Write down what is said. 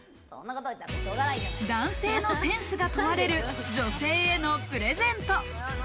男性のセンスが問われる女性へのプレゼント。